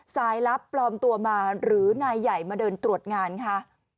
ลับปลอมตัวมาหรือนายใหญ่มาเดินตรวจงานค่ะ